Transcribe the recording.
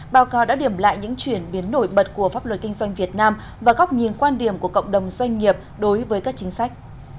báo cáo đã điểm lại những chuyển biến nổi bật của pháp luật kinh doanh việt nam và góc nhìn quan điểm của cộng đồng doanh nghiệp đối với các chính sách